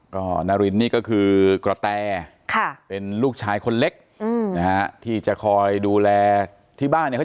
ก็นารินนี่ก็คือกระแตเป็นลูกชายคนเล็กนะฮะที่จะคอยดูแลที่บ้านเนี่ย